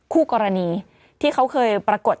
คู่กรณีที่เขาเคยปรากฏ